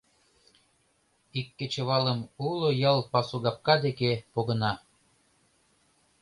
Ик кечывалым уло ял пасугапка деке погына.